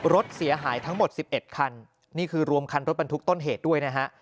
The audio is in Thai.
รถเสียหายทั้งหมด๑๑คันนี่คือรวมคันรถบรรทุกต้นเหตุด้วยนะฮะ